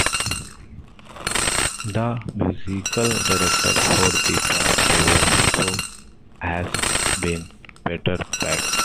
The musical director for the past several shows has been Peter Beckett.